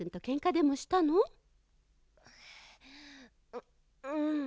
ううん。